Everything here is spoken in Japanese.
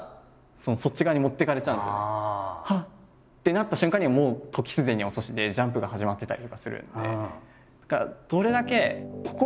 なった瞬間にはもう時すでに遅しでジャンプが始まってたりとかするんで。